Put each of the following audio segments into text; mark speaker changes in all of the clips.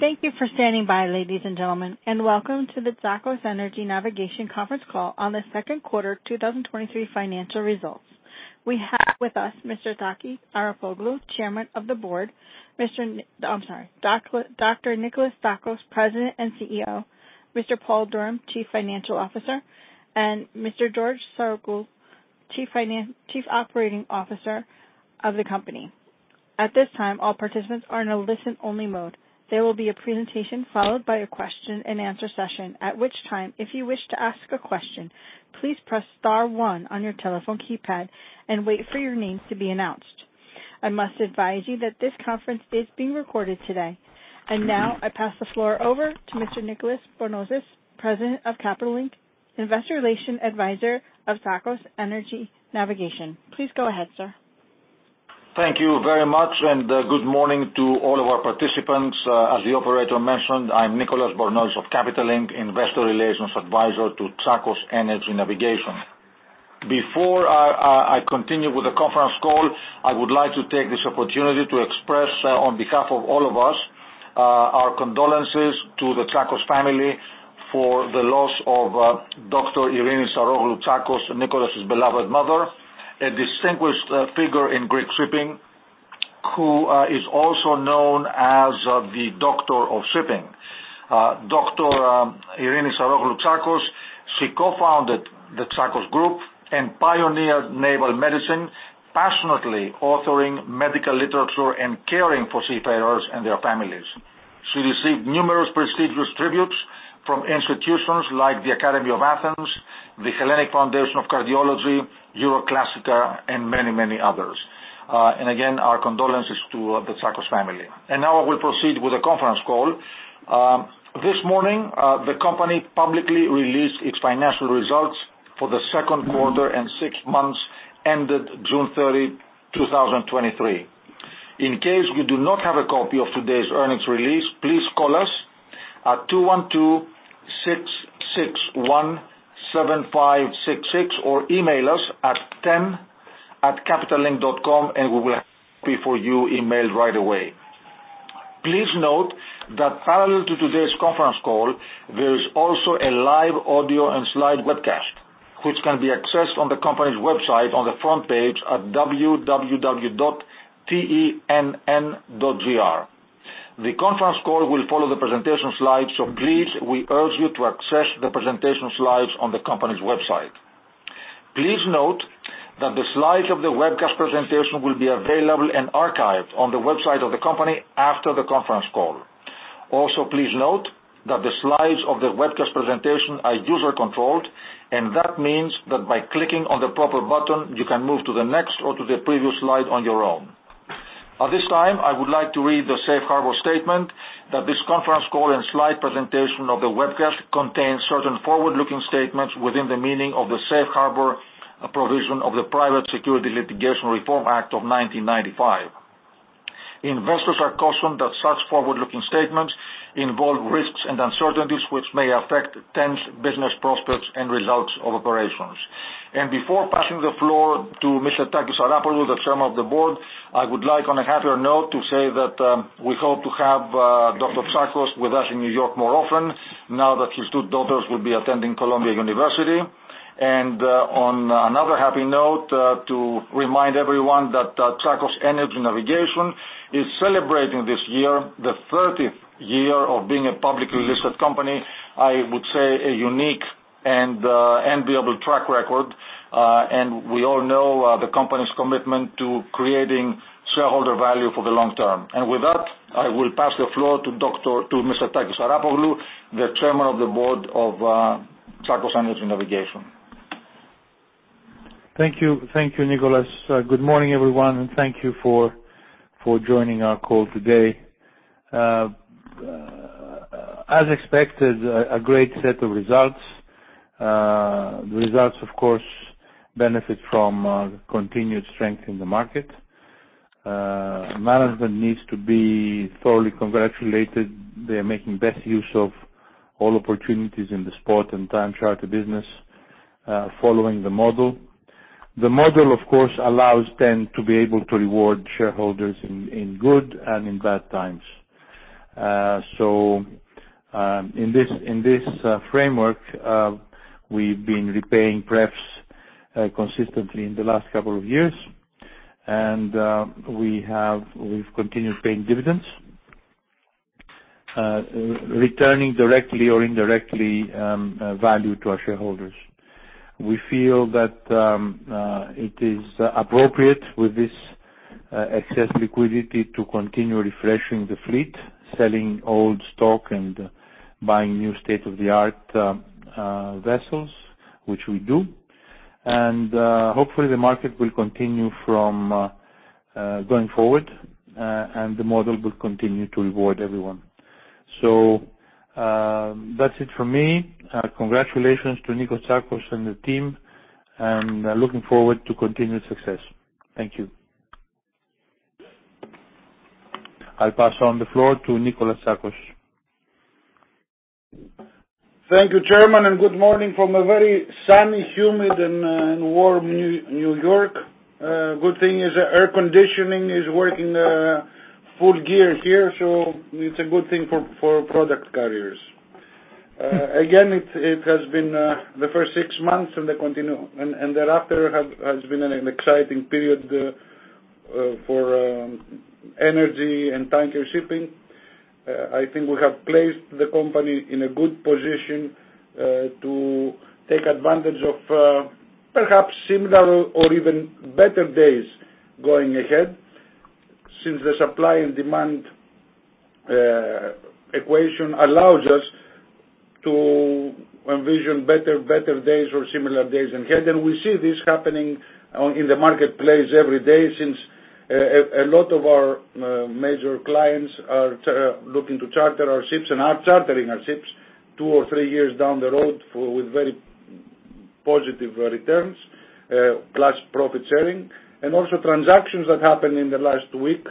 Speaker 1: Thank you for standing by, ladies and gentlemen, and welcome to the Tsakos Energy Navigation conference call on the second quarter 2023 financial results. We have with us Mr. Efstratios Arapoglou, Chairman of the Board. Mr... I'm sorry, Dr. Nikolas Tsakos, President and CEO, Mr. Paul Durham, Chief Financial Officer, and Mr. George Saroglou, Chief Operating Officer of the company. At this time, all participants are in a listen-only mode. There will be a presentation followed by a question-and-answer session, at which time, if you wish to ask a question, please press star one on your telephone keypad and wait for your name to be announced. I must advise you that this conference is being recorded today. Now, I pass the floor over to Mr. Nicolas Bornozis, President of Capital Link, Investor Relations Advisor of Tsakos Energy Navigation. Please go ahead, sir.
Speaker 2: Thank you very much, and good morning to all of our participants. As the operator mentioned, I'm Nicolas Bornozis of Capital Link, Investor Relations Advisor to Tsakos Energy Navigation. Before I continue with the conference call, I would like to take this opportunity to express, on behalf of all of us, our condolences to the Tsakos family for the loss of Dr. Irene Saroglou-Tsakos, Nikolas's beloved mother, a distinguished figure in Greek shipping, who is also known as the Doctor of Shipping. Dr. Irene Saroglou-Tsakos, she co-founded the Tsakos Group and pioneered naval medicine, passionately authoring medical literature and caring for seafarers and their families. She received numerous prestigious tributes from institutions like the Academy of Athens, the Hellenic Foundation of Cardiology, Euroclassica, and many, many others. And again, our condolences to the Tsakos family. And now I will proceed with the conference call. This morning, the company publicly released its financial results for the second quarter and six months ended June 30, 2023. In case you do not have a copy of today's earnings release, please call us at 212-661-7566 or email us at TEN@capitallink.com, and we will have a copy for you emailed right away. Please note that parallel to today's conference call, there is also a live audio and slide webcast, which can be accessed on the company's website on the front page at www.tenn.gr. The conference call will follow the presentation slides, so please, we urge you to access the presentation slides on the company's website. Please note that the slides of the webcast presentation will be available and archived on the website of the company after the conference call. Also, please note that the slides of the webcast presentation are user-controlled, and that means that by clicking on the proper button, you can move to the next or to the previous slide on your own. At this time, I would like to read the safe harbor statement that this conference call and slide presentation of the webcast contains certain forward-looking statements within the meaning of the Safe Harbor Provision of the Private Securities Litigation Reform Act of 1995. Investors are cautioned that such forward-looking statements involve risks and uncertainties which may affect TEN's business prospects and results of operations. And before passing the floor to Mr. Efstratios Arapoglou, the Chairman of the Board, I would like, on a happier note, to say that we hope to have Dr. Tsakos with us in New York more often now that his two daughters will be attending Columbia University. On another happy note, to remind everyone that Tsakos Energy Navigation is celebrating this year the 30th year of being a publicly listed company. I would say a unique and enviable track record, and we all know the company's commitment to creating shareholder value for the long term. With that, I will pass the floor to Mr. Efstratios Arapoglou, the Chairman of the Board of Tsakos Energy Navigation.
Speaker 3: Thank you. Thank you, Nicolas. Good morning, everyone, and thank you for joining our call today. As expected, a great set of results. The results, of course, benefit from continued strength in the market. Management needs to be thoroughly congratulated. They are making best use of all opportunities in the spot and time charter business, following the model. The model, of course, allows TEN to be able to reward shareholders in good and in bad times. In this framework, we've been repaying pref consistently in the last couple of years, and we have—we've continued paying dividends, returning directly or indirectly value to our shareholders. We feel that it is appropriate with this excess liquidity to continue refreshing the fleet, selling old stock and buying new state-of-the-art vessels, which we do. And hopefully, the market will continue firm going forward, and the model will continue to reward everyone. So that's it for me. Congratulations to Niko Tsakos and the team, and looking forward to continued success. Thank you. I'll pass on the floor to Nikolas Tsakos....
Speaker 4: Thank you, Chairman, and good morning from a very sunny, humid, and warm New York. Good thing is that air conditioning is working full gear here, so it's a good thing for product carriers. Again, it has been the first six months in the continuum, and thereafter has been an exciting period for energy and tanker shipping. I think we have placed the company in a good position to take advantage of perhaps similar or even better days going ahead, since the supply and demand equation allows us to envision better days or similar days ahead. We see this happening in the marketplace every day, since a lot of our major clients are looking to charter our ships and are chartering our ships two or three years down the road with very positive returns, plus profit sharing. Also, transactions that happened in the last week,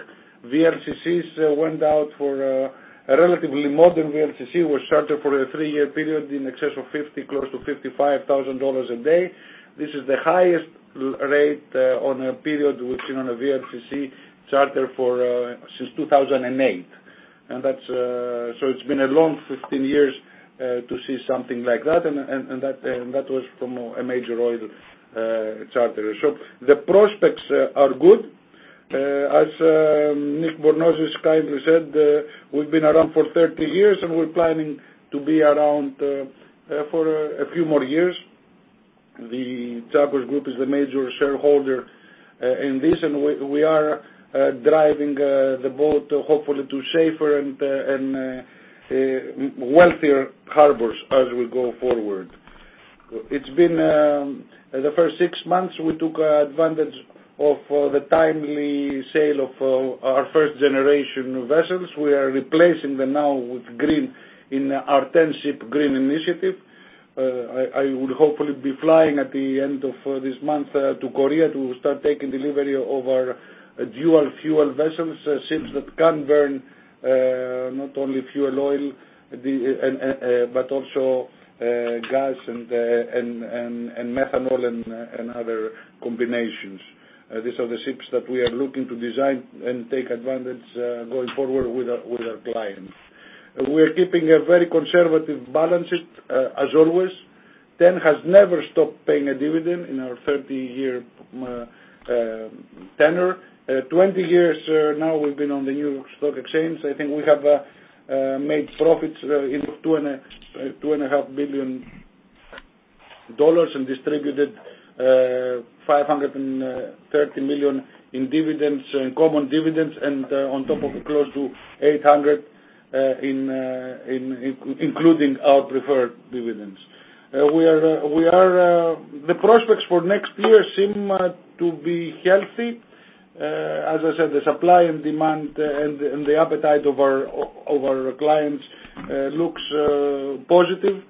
Speaker 4: VLCCs went out for... a relatively modern VLCC was chartered for a three-year period in excess of $50,000, close to $55,000 a day. This is the highest rate on a period we've seen on a VLCC charter since 2008. It's been a long 15 years to see something like that, and that was from a major oil charterer. The prospects are good. As Nicolas Bornozis kindly said, we've been around for 30 years, and we're planning to be around for a few more years. The Tsakos Group is the major shareholder in this, and we are driving the boat hopefully to safer and wealthier harbors as we go forward. It's been the first six months, we took advantage of the timely sale of our first-generation vessels. We are replacing them now with green in our 10-ship green initiative. I would hopefully be flying at the end of this month to Korea to start taking delivery of our dual-fuel vessels, ships that can burn not only fuel oil, but also gas and methanol and other combinations. These are the ships that we are looking to design and take advantage, going forward with our, with our clients. We are keeping a very conservative balance sheet, as always. TEN has never stopped paying a dividend in our 30-year tenure. 20 years now we've been on the New York Stock Exchange. I think we have made profits in two and a half billion dollars and distributed $530 million in dividends, in common dividends, and on top of close to $800 million including our preferred dividends. We are, we are... The prospects for next year seem to be healthy. As I said, the supply and demand, and the appetite of our, of our clients looks positive,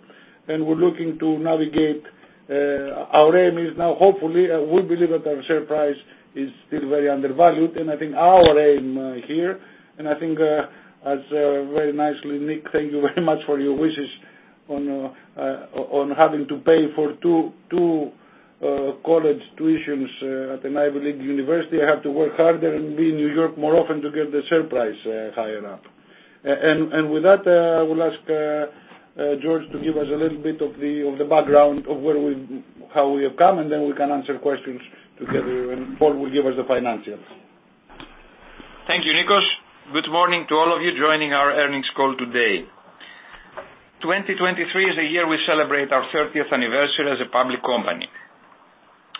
Speaker 4: and we're looking to navigate. Our aim is now hopefully, we believe that our share price is still very undervalued, and I think our aim here, and I think, as very nicely, Nick, thank you very much for your wishes on, on having to pay for two, two, college tuitions, at an Ivy League university. I have to work harder and be in New York more often to get the share price, higher up. And with that, I will ask George to give us a little bit of the, of the background of where we how we have come, and then we can answer questions together, and Paul will give us the financials.
Speaker 5: Thank you, Nikolas. Good morning to all of you joining our earnings call today. 2023 is the year we celebrate our 30th anniversary as a public company.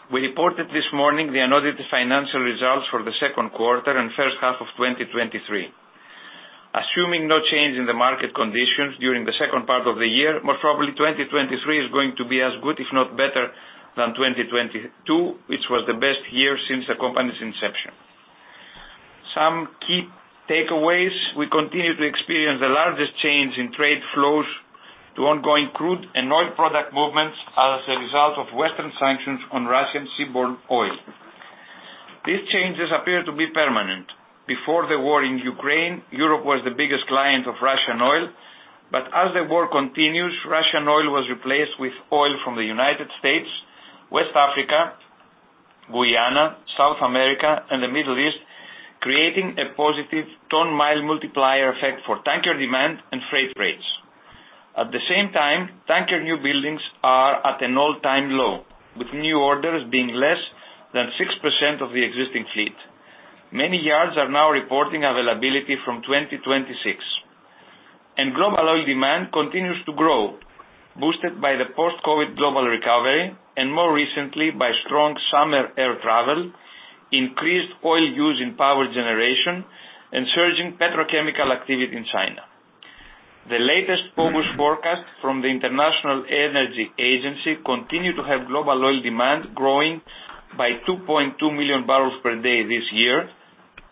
Speaker 5: We reported this morning the unaudited financial results for the second quarter and first half of 2023. Assuming no change in the market conditions during the second part of the year, most probably 2023 is going to be as good, if not better, than 2022, which was the best year since the company's inception. Some key takeaways: We continue to experience the largest change in trade flows to ongoing crude and oil product movements as a result of Western sanctions on Russian seaborne oil. These changes appear to be permanent. Before the war in Ukraine, Europe was the biggest client of Russian oil. But as the war continues, Russian oil was replaced with oil from the United States, West Africa, Guyana, South America, and the Middle East, creating a positive ton-mile multiplier effect for tanker demand and freight rates. At the same time, tanker new buildings are at an all-time low, with new orders being less than 6% of the existing fleet. Many yards are now reporting availability from 2026. And global oil demand continues to grow, boosted by the post-COVID global recovery, and more recently by strong summer air travel, increased oil use in power generation, and surging petrochemical activity in China. The latest focus forecast from the International Energy Agency continue to have global oil demand growing by 2.2 million barrels per day this year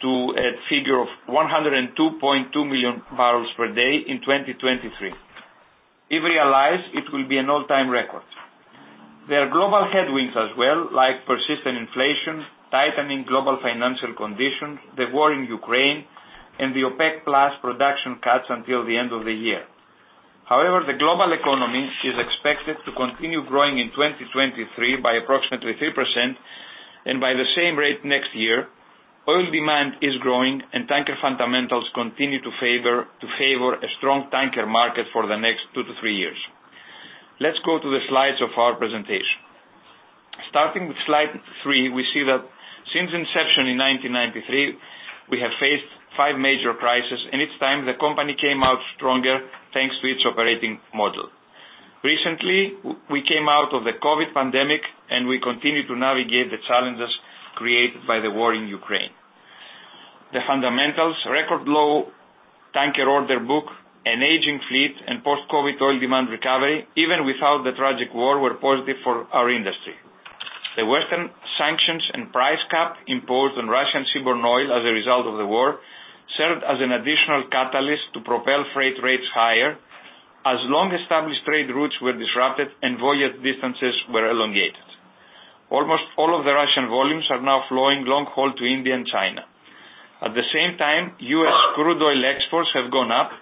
Speaker 5: to a figure of 102.2 million barrels per day in 2023. If realized, it will be an all-time record.... There are global headwinds as well, like persistent inflation, tightening global financial conditions, the war in Ukraine, and the OPEC+ production cuts until the end of the year. However, the global economy is expected to continue growing in 2023 by approximately 3%, and by the same rate next year, oil demand is growing and tanker fundamentals continue to favor a strong tanker market for the next two-three years. Let's go to the slides of our presentation. Starting with slide three, we see that since inception in 1993, we have faced 5 major crises, and each time the company came out stronger, thanks to its operating model. Recently, we came out of the COVID pandemic, and we continue to navigate the challenges created by the war in Ukraine. The fundamentals, record low tanker order book, an aging fleet, and post-COVID oil demand recovery, even without the tragic war, were positive for our industry. The Western sanctions and price cap imposed on Russian seaborne oil as a result of the war, served as an additional catalyst to propel freight rates higher as long-established trade routes were disrupted and voyage distances were elongated. Almost all of the Russian volumes are now flowing long haul to India and China. At the same time, U.S. crude oil exports have gone up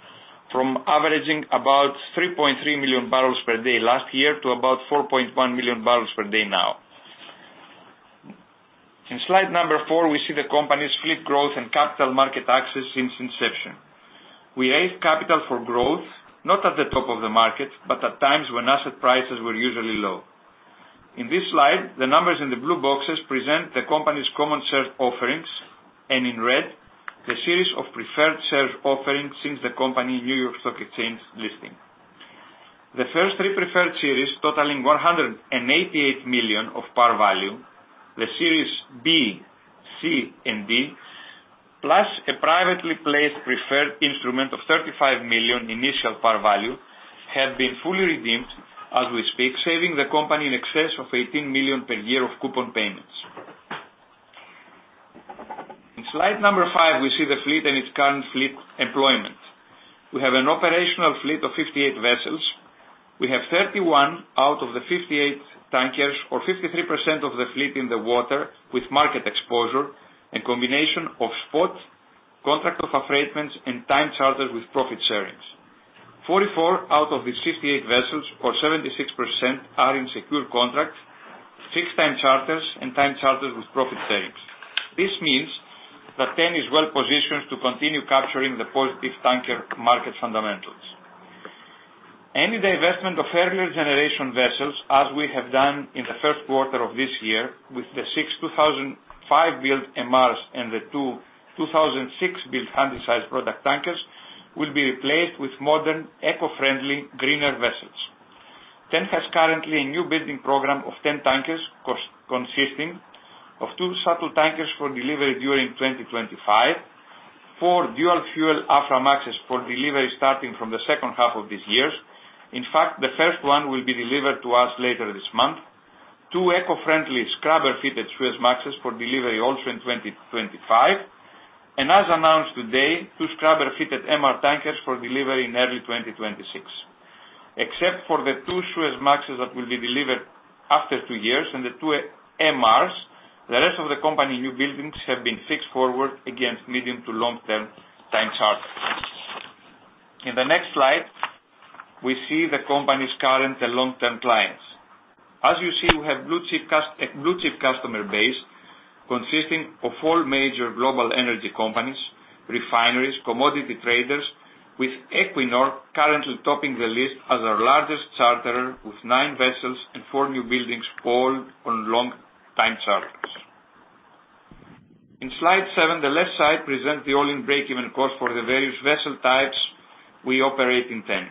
Speaker 5: from averaging about 3.3 million barrels per day last year to about 4.1 million barrels per day now. In slide number 4, we see the company's fleet growth and capital market access since inception. We raised capital for growth, not at the top of the market, but at times when asset prices were usually low. In this slide, the numbers in the blue boxes present the company's common share offerings, and in red, the series of preferred share offerings since the company New York Stock Exchange listing. The first three preferred series, totaling $188 million of par value, the Series B, C, and D, plus a privately placed preferred instrument of $35 million initial par value, have been fully redeemed as we speak, saving the company in excess of $18 million per year of coupon payments. In slide number five, we see the fleet and its current fleet employment. We have an operational fleet of 58 vessels. We have 31 out of the 58 tankers, or 53% of the fleet in the water with market exposure and combination of spot, contract of affreightment, and time charters with profit sharing. 44 out of the 58 vessels or 76% are in secure contract, fixed-time charters and time charters with profit sharing. This means that TEN is well-positioned to continue capturing the positive tanker market fundamentals. Any divestment of earlier generation vessels, as we have done in the first quarter of this year, with the six 2005-built MRs and the two 2006-built Handysize product tankers, will be replaced with modern, eco-friendly, greener vessels. TEN has currently a new building program of 10 tankers, consisting of two shuttle tankers for delivery during 2025, four dual-fuel Aframaxes for delivery starting from the second half of this year. In fact, the first one will be delivered to us later this month. two eco-friendly scrubber-fitted Suezmaxes for delivery also in 2025. As announced today, two scrubber-fitted MR tankers for delivery in early 2026. Except for the two Suezmaxes that will be delivered after two years and the two MRs, the rest of the company new buildings have been fixed forward against medium to long-term time charter. In the next slide, we see the company's current and long-term clients. As you see, we have blue chip customer base consisting of all major global energy companies, refineries, commodity traders, with Equinor currently topping the list as our largest charterer, with nine vessels and four new buildings all on long time charters. In slide seven, the left side presents the all-in break-even cost for the various vessel types we operate in TEN.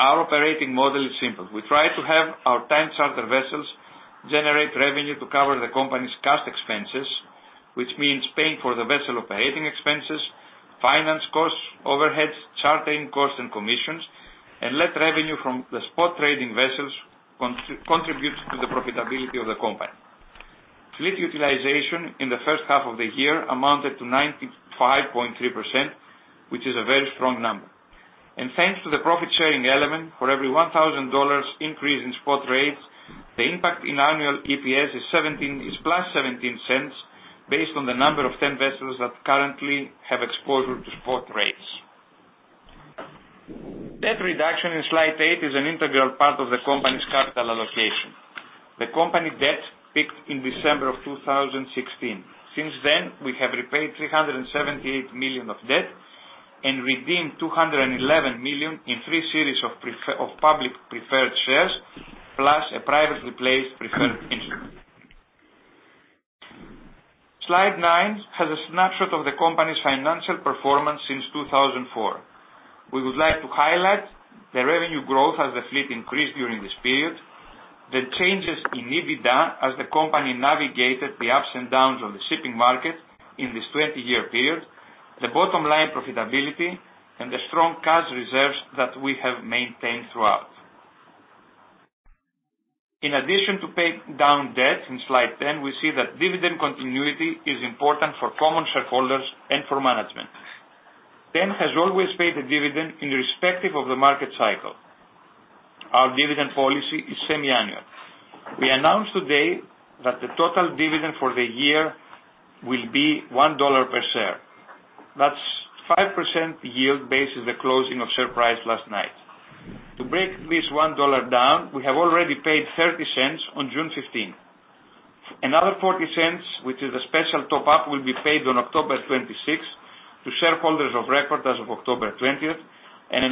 Speaker 5: Our operating model is simple. We try to have our time charter vessels generate revenue to cover the company's cost expenses, which means paying for the vessel operating expenses, finance costs, overheads, chartering costs and commissions, and let revenue from the spot trading vessels contribute to the profitability of the company. Fleet utilization in the first half of the year amounted to 95.3%, which is a very strong number. Thanks to the profit-sharing element, for every $1,000 increase in spot rates, the impact in annual EPS is $+0.17, based on the number of TEN vessels that currently have exposure to spot rates. Debt reduction in slide eight is an integral part of the company's capital allocation. The company debt peaked in December 2016. Since then, we have repaid $378 million of debt and redeemed $211 million in three series of public preferred shares, plus a privately placed preferred instrument. Slide nine has a snapshot of the company's financial performance since 2004. We would like to highlight the revenue growth as the fleet increased during this period, the changes in EBITDA as the company navigated the ups and downs of the shipping market in this 20-year period, the bottom line profitability, and the strong cash reserves that we have maintained throughout. In addition to paying down debt in Slide 10, we see that dividend continuity is important for common shareholders. TEN has always paid a dividend irrespective of the market cycle. Our dividend policy is semi-annual. We announce today that the total dividend for the year will be $1 per share. That's 5% yield based on the closing share price last night. To break this $1 down, we have already paid $0.30 on June 15. Another $0.40, which is a special top up, will be paid on October 26 to shareholders of record as of October 20, and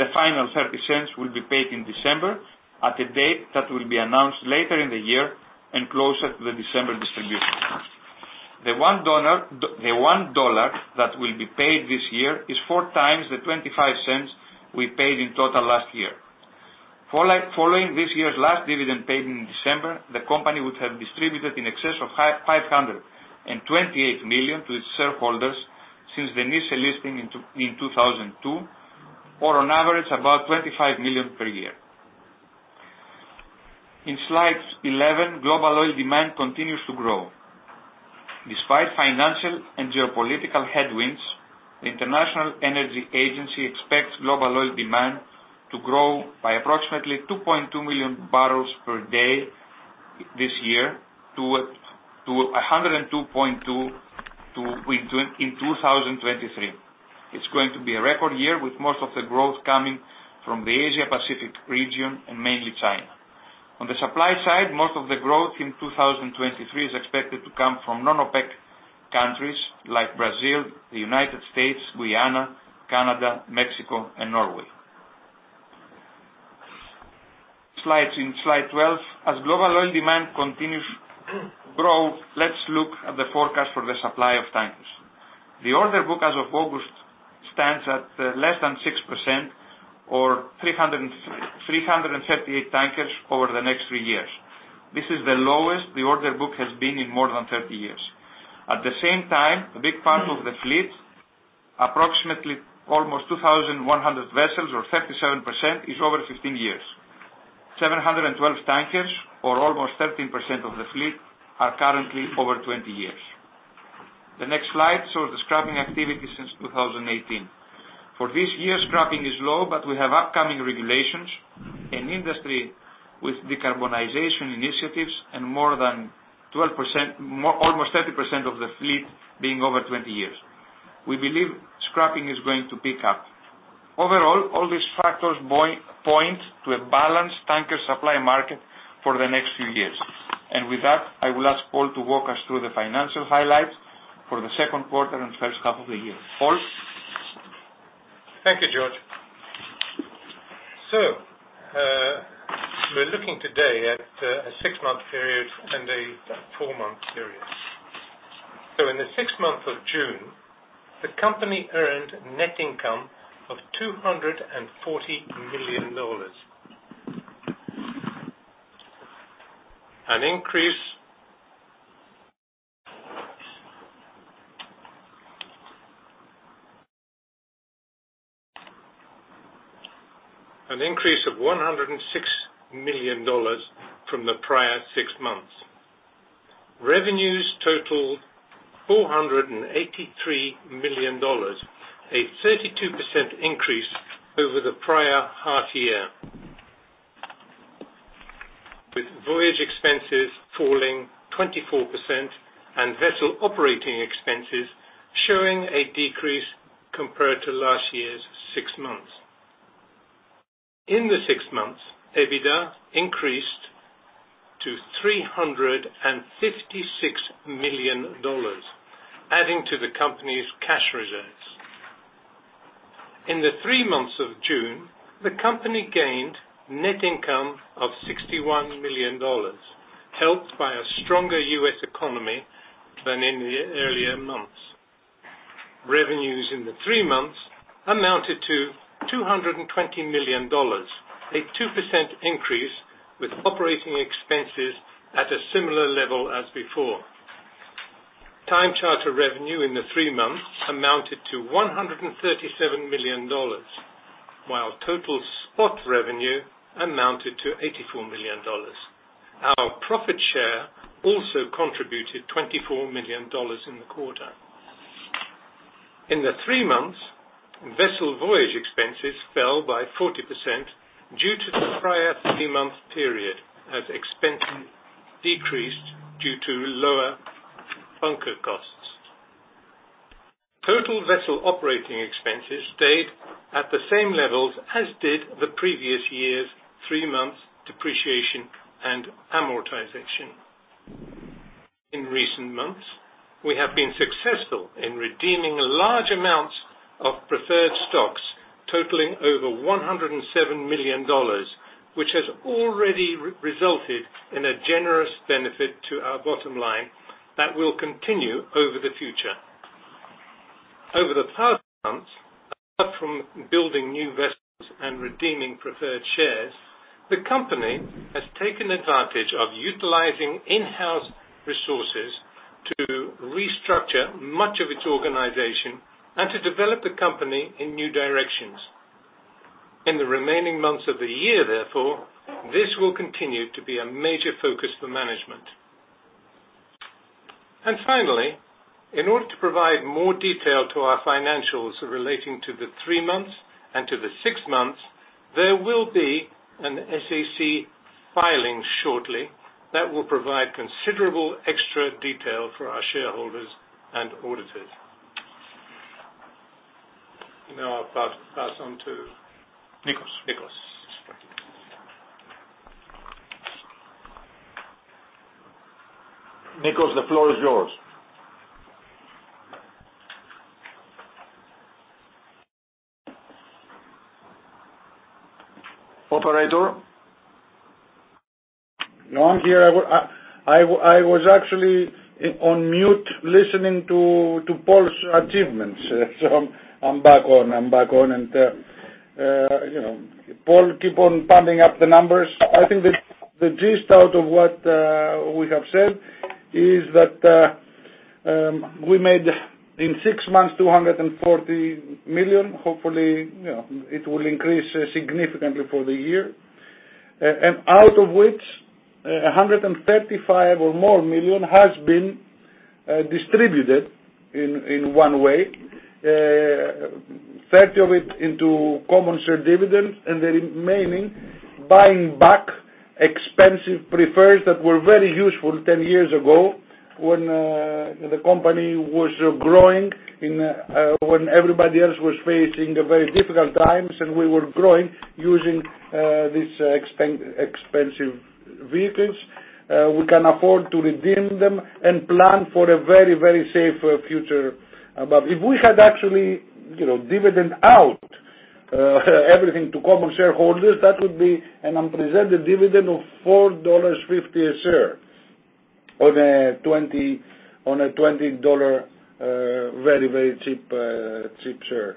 Speaker 5: the final $0.30 will be paid in December at a date that will be announced later in the year and closer to the December distribution. The $1 that will be paid this year is four times the $0.25 we paid in total last year. Following this year's last dividend paid in December, the company would have distributed in excess of $528 million to its shareholders since the initial listing in 2002, or on average, about $25 million per year. In slide 11, global oil demand continues to grow. Despite financial and geopolitical headwinds, the International Energy Agency expects global oil demand to grow by approximately 2.2 million barrels per day this year to 102.2 in 2023. It's going to be a record year, with most of the growth coming from the Asia Pacific region and mainly China. On the supply side, most of the growth in 2023 is expected to come from non-OPEC countries like Brazil, the United States, Guyana, Canada, Mexico, and Norway. In slide 12, as global oil demand continues to grow, let's look at the forecast for the supply of tankers. The order book as of August stands at less than 6% or 338 tankers over the next three years. This is the lowest the order book has been in more than 30 years. At the same time, a big part of the fleet, approximately almost 2,100 vessels, or 37%, is over 15 years. 712 tankers or almost 13% of the fleet are currently over 20 years. The next slide shows the scrapping activity since 2018. For this year, scrapping is low, but we have upcoming regulations and industry with decarbonization initiatives and more than 12%... More, almost 30% of the fleet being over 20 years. We believe scrapping is going to pick up. Overall, all these factors point to a balanced tanker supply market for the next few years. With that, I will ask Paul to walk us through the financial highlights for the second quarter and first half of the year. Paul?
Speaker 6: Thank you, George. So, we're looking today at a six-month period and a four-month period. So in the sixth month of June, the company earned net income of $240 million. An increase of $106 million from the prior six months. Revenues totaled $483 million, a 32% increase over the prior half year, with voyage expenses falling 24% and vessel operating expenses showing a decrease compared to last year's six months. In the six months, EBITDA increased to $356 million, adding to the company's cash reserves. In the three months of June, the company gained net income of $61 million, helped by a stronger U.S. economy than in the earlier months. Revenues in the three months amounted to $220 million, a 2% increase, with operating expenses at a similar level as before. Time charter revenue in the three months amounted to $137 million, while total spot revenue amounted to $84 million. Our profit share also contributed $24 million in the quarter. In the three months, vessel voyage expenses fell by 40% due to the prior three-month period, as expenses decreased due to lower bunker costs. Total vessel operating expenses stayed at the same levels, as did the previous year's three months, depreciation and amortization. In recent months, we have been successful in redeeming large amounts of preferred stocks, totaling over $107 million, which has already resulted in a generous benefit to our bottom line that will continue over the future. Over the past months, apart from building new vessels and redeeming preferred shares, the company has taken advantage of utilizing in-house resources to restructure much of its organization and to develop the company in new directions. In the remaining months of the year, therefore, this will continue to be a major focus for management... And finally, in order to provide more detail to our financials relating to the three months and to the six months, there will be an SEC filing shortly that will provide considerable extra detail for our shareholders and auditors. Now I'll pass on to-
Speaker 5: Nikolas.
Speaker 6: Nikolas.
Speaker 5: Nikolas, the floor is yours. Operator?
Speaker 4: No, I'm here. I was actually on mute listening to Paul's achievements. So I'm back on, I'm back on, and, you know, Paul, keep on pumping up the numbers. I think the gist out of what we have said is that we made in six months $240 million. Hopefully, you know, it will increase significantly for the year. And out of which, $135 million or more has been distributed in one way, $30 million of it into common share dividends, and the remaining buying back expensive preferreds that were very useful ten years ago when the company was growing, when everybody else was facing a very difficult times, and we were growing using these expensive vehicles. We can afford to redeem them and plan for a very, very safe future above. If we had actually, you know, dividend out everything to common shareholders, that would be an unprecedented dividend of $4.50 a share on a 20.. on a $20, very, very cheap cheap share.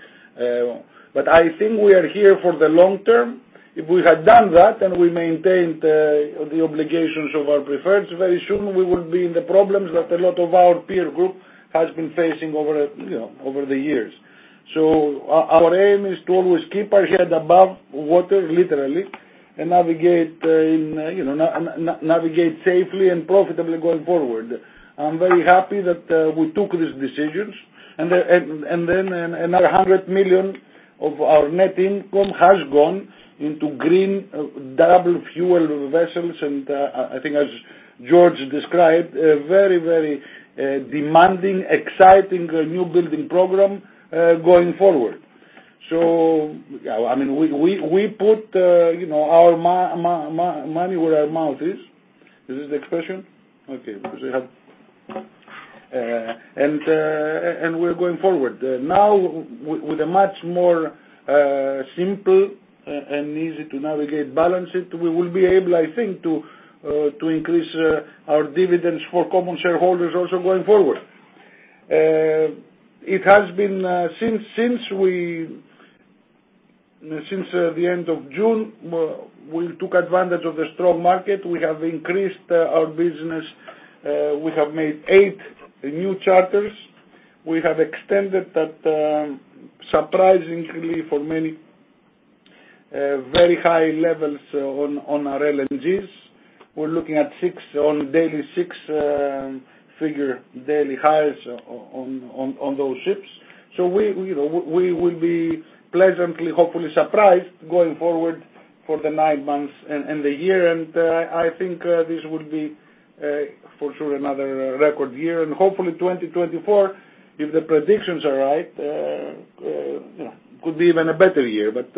Speaker 4: But I think we are here for the long term. If we had done that and we maintained the obligations of our preferred, very soon we would be in the problems that a lot of our peer group has been facing over, you know, over the years. So our aim is to always keep our head above water, literally, and navigate in, you know, navigate safely and profitably going forward. I'm very happy that we took these decisions, and then another $100 million of our net income has gone into green double fuel vessels. I think as George described, a very, very demanding, exciting new building program going forward. So, I mean, we put, you know, our money where our mouth is. This is the expression? Okay, because we have... And we're going forward. Now, with a much more simple and easy to navigate balance sheet, we will be able, I think, to increase our dividends for common shareholders also going forward. It has been since the end of June, we took advantage of the strong market. We have increased our business. We have made eight new charters. We have extended that, surprisingly for many, very high levels on our LNGs. We're looking at six-figure daily highs on those ships. So we, you know, we will be pleasantly, hopefully surprised going forward for the nine months and the year. And I think this would be, for sure, another record year. And hopefully, 2024, if the predictions are right, you know, could be even a better year. But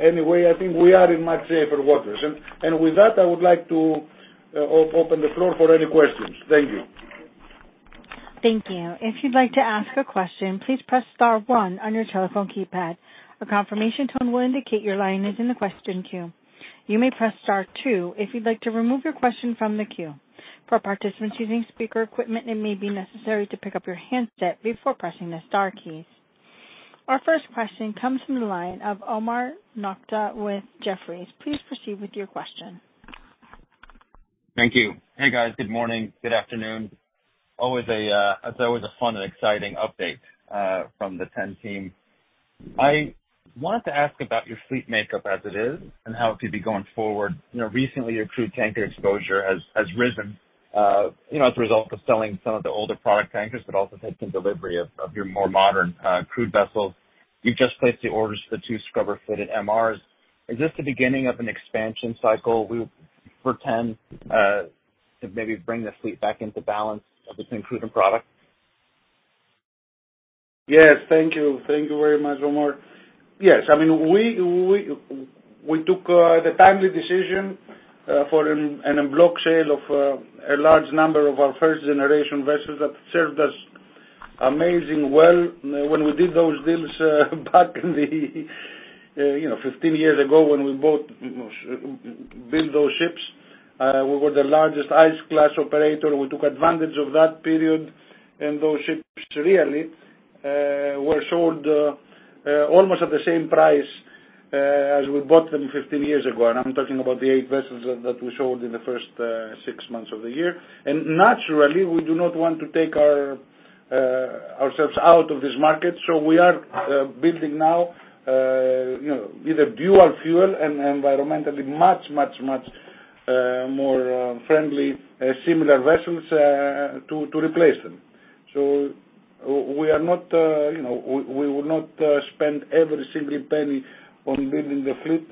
Speaker 4: anyway, I think we are in much safer waters. And with that, I would like to open the floor for any questions. Thank you.
Speaker 1: Thank you. If you'd like to ask a question, please press star one on your telephone keypad. A confirmation tone will indicate your line is in the question queue. You may press star two if you'd like to remove your question from the queue. For participants using speaker equipment, it may be necessary to pick up your handset before pressing the star keys. Our first question comes from the line of Omar Nokta with Jefferies. Please proceed with your question.
Speaker 7: Thank you. Hey, guys. Good morning. Good afternoon. Always a, it's always a fun and exciting update from the TEN team. I wanted to ask about your fleet makeup as it is and how it could be going forward. You know, recently, your crude tanker exposure has risen, you know, as a result of selling some of the older product tankers, but also taking delivery of your more modern crude vessels. You've just placed the orders for the two scrubber-fitted MRs. Is this the beginning of an expansion cycle for TEN to maybe bring the fleet back into balance between crude and product?
Speaker 4: Yes, thank you. Thank you very much, Omar. Yes. I mean, we took the timely decision for a block sale of a large number of our first generation vessels that served us amazing well when we did those deals back in the, you know, 15 years ago, when we bought built those ships. We were the largest ice class operator. We took advantage of that period, and those ships really were sold almost at the same price as we bought them 15 years ago. And I'm talking about the eight vessels that we sold in the first six months of the year. And naturally, we do not want to take ourselves out of this market. So we are building now, you know, either dual fuel and environmentally much, much, much more friendly similar vessels to replace them. So we are not, you know, we will not spend every single penny on building the fleet,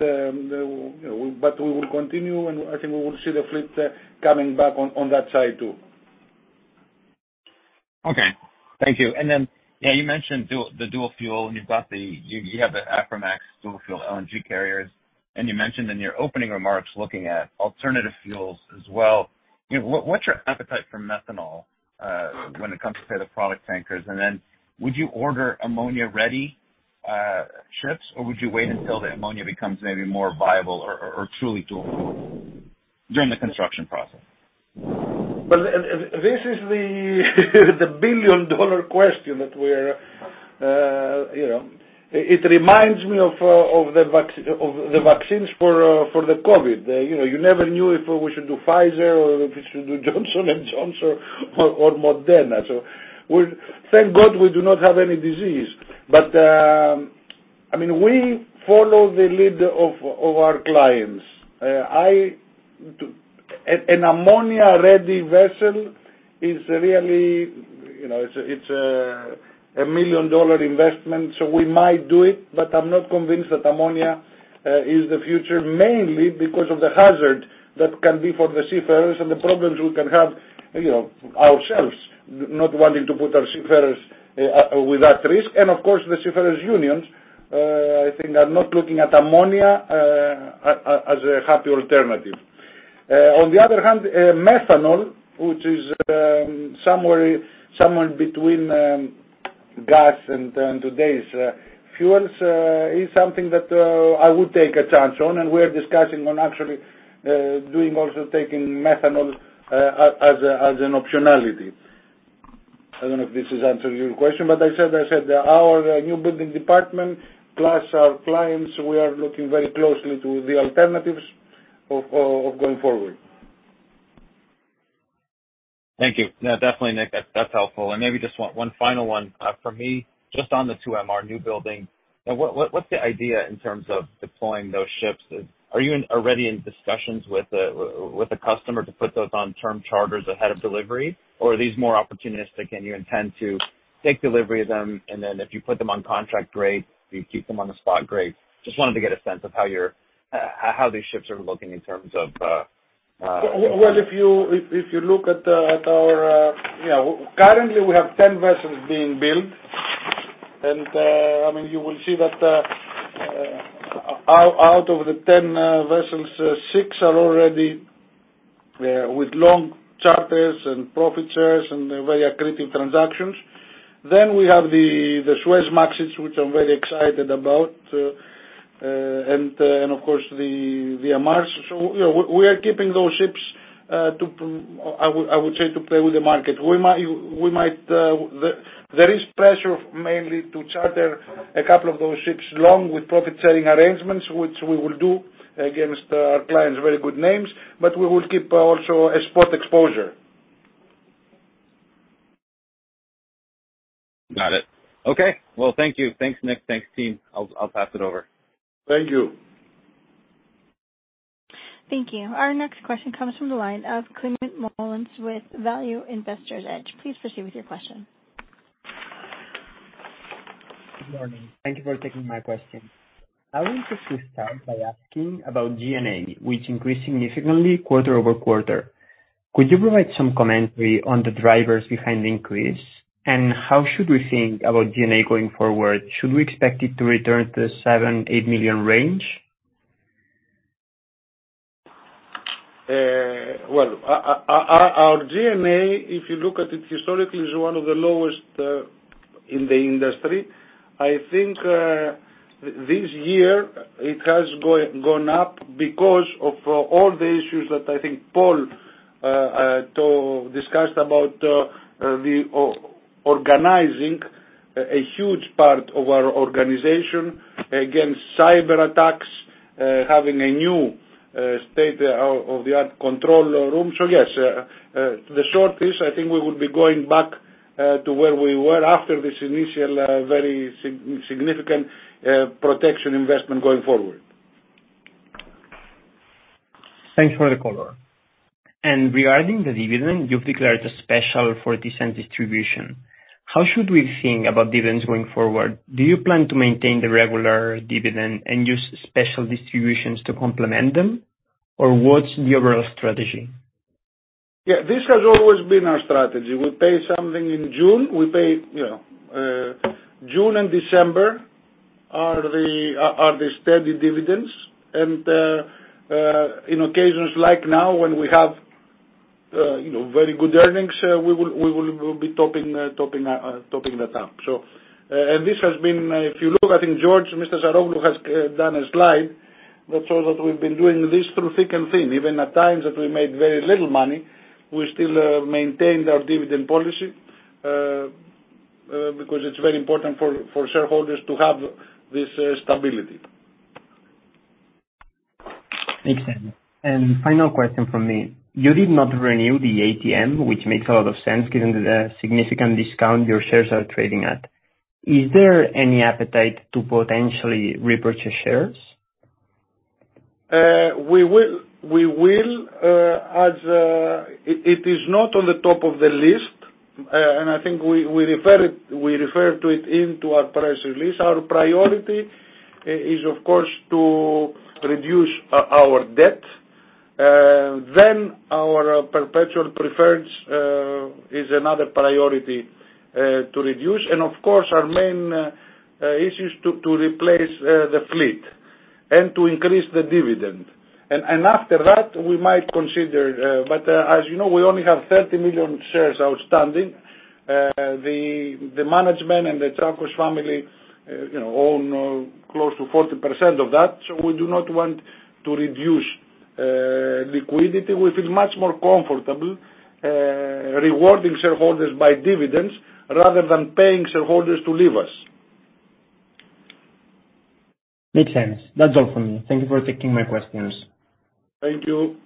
Speaker 4: but we will continue, and I think we will see the fleet coming back on that side, too.
Speaker 7: Okay, thank you. And then, yeah, you mentioned the dual fuel, and you have the Aframax dual fuel LNG carriers, and you mentioned in your opening remarks looking at alternative fuels as well. You know, what's your appetite for methanol when it comes to the product tankers? And then would you order ammonia-ready ships, or would you wait until the ammonia becomes maybe more viable or truly dual during the construction process?
Speaker 4: But this is the billion-dollar question that we're, you know, it reminds me of the vaccines for the COVID. You know, you never knew if we should do Pfizer or if we should do Johnson & Johnson or Moderna. So thank God, we do not have any disease, but, I mean, we follow the lead of our clients. An ammonia-ready vessel is really, you know, it's a million-dollar investment, so we might do it, but I'm not convinced that ammonia is the future, mainly because of the hazard that can be for the seafarers and the problems we can have, you know, ourselves not wanting to put our seafarers with that risk. And of course, the seafarers unions, I think are not looking at ammonia as a happy alternative. On the other hand, methanol, which is somewhere between gas and today's fuels, is something that I would take a chance on, and we're discussing actually doing also taking methanol as an optionality. I don't know if this has answered your question, but I said, I said our new building department, plus our clients, we are looking very closely to the alternatives of going forward.
Speaker 7: Thank you. No, definitely, Nick, that's, that's helpful. And maybe just one, one final one from me, just on the two MR new building. Now, what's the idea in terms of deploying those ships? Are you already in discussions with a customer to put those on term charters ahead of delivery, or are these more opportunistic, and you intend to take delivery of them, and then if you put them on contract great, if you keep them on the spot, great. Just wanted to get a sense of how these ships are looking in terms of
Speaker 4: Well, if you look at our, you know, currently we have 10 vessels being built. And, I mean, you will see that, out of the 10 vessels, six are already with long charters and profit shares and very accretive transactions. Then we have the Suezmaxes, which I'm very excited about, and of course, the MRs. So, you know, we are keeping those ships to, I would say, to play with the market. We might... There is pressure mainly to charter a couple of those ships long with profit-sharing arrangements, which we will do against our clients, very good names, but we will keep also a spot exposure.
Speaker 7: Got it. Okay, well, thank you. Thanks, Nick. Thanks, team. I'll pass it over.
Speaker 4: Thank you.
Speaker 1: Thank you. Our next question comes from the line of Climent Molins with Value Investor's Edge. Please proceed with your question.
Speaker 8: Good morning. Thank you for taking my question. I would like to start by asking about G&A, which increased significantly quarter-over-quarter. Could you provide some commentary on the drivers behind the increase, and how should we think about G&A going forward? Should we expect it to return to the $7-$8 million range?
Speaker 4: Well, our G&A, if you look at it historically, is one of the lowest in the industry. I think this year it has gone up because of all the issues that I think Paul talked, discussed about, organizing a huge part of our organization against cyber attacks, having a new state-of-the-art control room. So, yes, the short is, I think we will be going back to where we were after this initial very significant protection investment going forward.
Speaker 8: Thanks for the color. Regarding the dividend, you've declared a special $0.40 distribution. How should we think about dividends going forward? Do you plan to maintain the regular dividend and use special distributions to complement them, or what's the overall strategy?
Speaker 4: Yeah, this has always been our strategy. We pay something in June. We pay, you know, June and December are the steady dividends, and in occasions like now, when we have, you know, very good earnings, we will be topping that up. So, and this has been, if you look, I think George, Mr. Saroglou, has done a slide that shows that we've been doing this through thick and thin. Even at times that we made very little money, we still maintained our dividend policy because it's very important for shareholders to have this stability....
Speaker 8: Makes sense. Final question from me. You did not renew the ATM, which makes a lot of sense given the significant discount your shares are trading at. Is there any appetite to potentially repurchase shares?
Speaker 4: It is not on the top of the list, and I think we referred to it in our press release. Our priority is, of course, to reduce our debt, then our perpetual preferred is another priority to reduce. And of course, our main issue is to replace the fleet and to increase the dividend. And after that, we might consider... But as you know, we only have 30 million shares outstanding. The management and the Tsakos family, you know, own close to 40% of that, so we do not want to reduce liquidity. We feel much more comfortable rewarding shareholders by dividends rather than paying shareholders to leave us.
Speaker 8: Makes sense. That's all from me. Thank you for taking my questions.
Speaker 4: Thank you.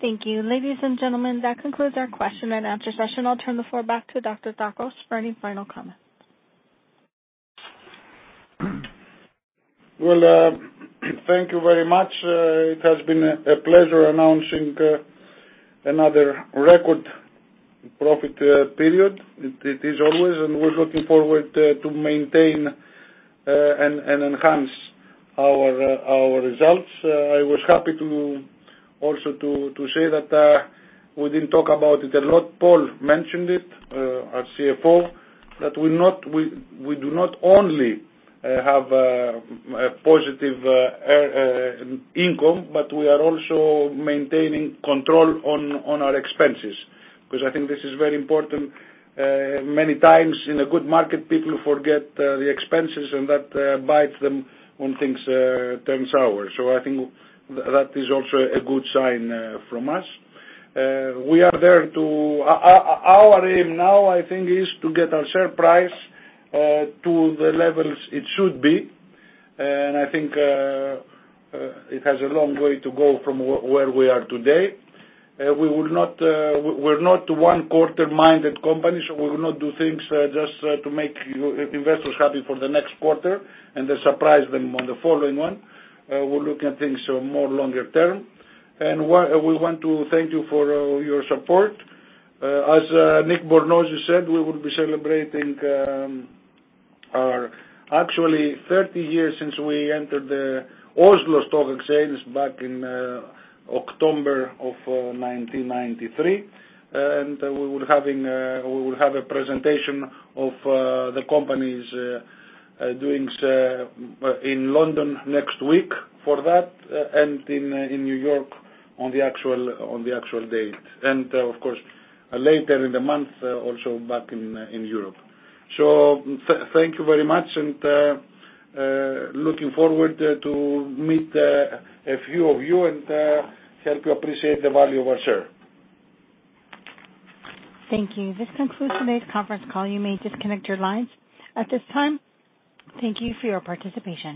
Speaker 1: Thank you. Ladies and gentlemen, that concludes our question and answer session. I'll turn the floor back to Dr. Tsakos for any final comments.
Speaker 4: Well, thank you very much. It has been a pleasure announcing another record profit period. It is always, and we're looking forward to maintain and enhance our results. I was happy to also say that we didn't talk about it a lot. Paul mentioned it, our CFO, that we do not only have a positive income, but we are also maintaining control on our expenses. 'Cause I think this is very important. Many times in a good market, people forget the expenses and that bites them when things turns sour. So I think that is also a good sign from us. We are there to... Our aim now, I think, is to get our share price to the levels it should be, and I think it has a long way to go from where we are today. We will not, we're not a one-quarter minded company, so we will not do things just to make investors happy for the next quarter and then surprise them on the following one. We're looking at things more longer term. We want to thank you for your support. As Nicolas Bornozis said, we will be celebrating our actually 30 years since we entered the Oslo Stock Exchange back in October of 1993. We will have a presentation of the company's doings in London next week for that, and in New York on the actual date. And, of course, later in the month, also back in Europe. Thank you very much, and looking forward to meet a few of you, and help you appreciate the value of our share.
Speaker 1: Thank you. This concludes today's conference call. You may disconnect your lines at this time. Thank you for your participation.